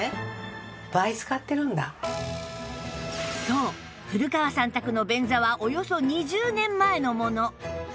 そう古川さん宅の便座はおよそ２０年前のもの